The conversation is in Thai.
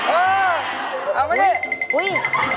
เออเอามานี่